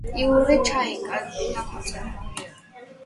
იური ჩაიკა დაქორწინებულია.